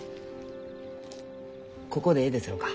ここでえいですろうか？